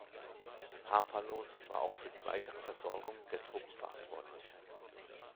Harpalos war auch für die weitere Versorgung der Truppen verantwortlich.